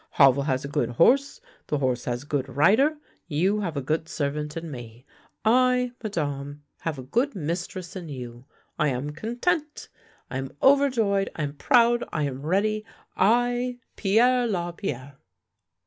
Havel has a good horse, the horse has a good rider, you have a good servant in me. I, Madame, have a good mistress in 54 THE LANE THAT HAD NO TURNING you — I am content. I am overjoyed, I am proud, I am ready, I, Pierre Lapierre!